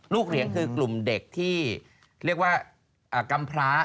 เหรียญคือกลุ่มเด็กที่เรียกว่ากำพระ